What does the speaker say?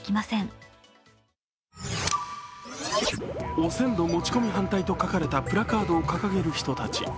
「汚染土持ち込み反対」と書かれたプラカードを掲げる人たち。